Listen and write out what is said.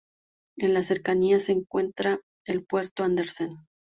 En las cercanías se encuentra el Puerto Andersen.